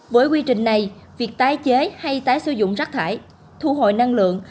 với quy trình này việc tái chế hay tái sử dụng rác thải thu hồi năng lượng